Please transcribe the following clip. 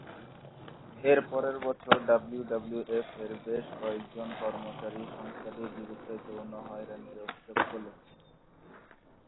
এর পরের বছর ডাব্লিউডাব্লিউএফ-এর বেশ কয়েকজন কর্মচারী সংস্থাটির বিরুদ্ধে যৌন হয়রানির অভিযোগ তোলে।